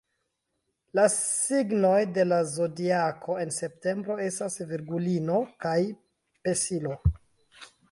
La signoj de la Zodiako en septembro estas Virgulino kaj Pesilo.